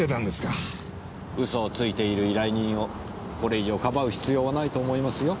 嘘をついている依頼人をこれ以上かばう必要はないと思いますよ。